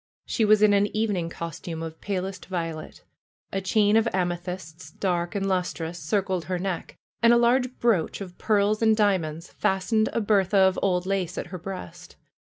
She was in an evening costume of palest violet ; a chain of amethysts, dark and lustrous, encircled her neck, and a large brooch of pearls and diamonds fastened a bertha of old lace at her breast.